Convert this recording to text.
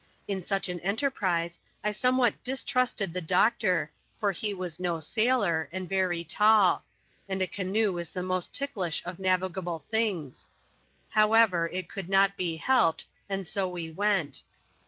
In such an enterprise, I somewhat distrusted the doctor, for he was no sailor, and very tall ; and a canoe is the most ticklish of navigably things. However, it could not be helped ; and so we went.